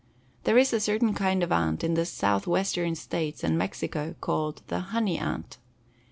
There is a curious kind of ant in the southwestern states and Mexico called the honey ant.